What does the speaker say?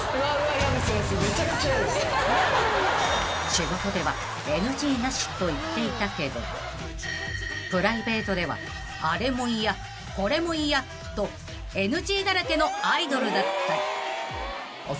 ［仕事ではＮＧなしと言っていたけどプライベートではあれも嫌これも嫌とＮＧだらけのアイドルだった］